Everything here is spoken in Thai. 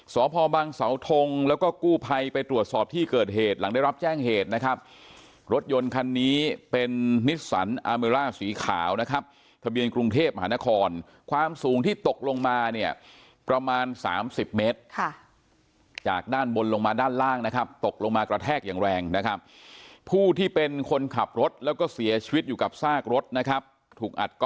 สพบังเสาทงแล้วก็กู้ภัยไปตรวจสอบที่เกิดเหตุหลังได้รับแจ้งเหตุนะครับรถยนต์คันนี้เป็นนิสสันอาเมร่าสีขาวนะครับทะเบียนกรุงเทพมหานครความสูงที่ตกลงมาเนี่ยประมาณสามสิบเมตรค่ะจากด้านบนลงมาด้านล่างนะครับตกลงมากระแทกอย่างแรงนะครับผู้ที่เป็นคนขับรถแล้วก็เสียชีวิตอยู่กับซากรถนะครับถูกอัดก